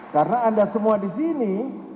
karena anda semua di sini